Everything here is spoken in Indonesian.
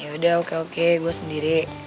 yaudah oke oke gue sendiri